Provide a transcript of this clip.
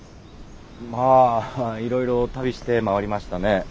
まあいろいろ旅して回りましたね。